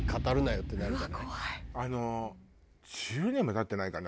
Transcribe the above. あの１０年も経ってないかな。